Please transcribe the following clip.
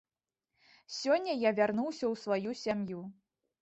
Сёння я вярнуўся ў сваю сям'ю.